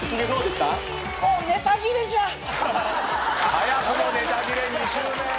早くもネタ切れ２週目！